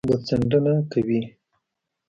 ګوتڅنډنه کوي